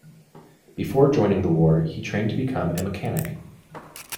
Before joining the war, he trained to become a mechanic.